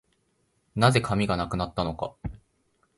何故、紙がなくなったのか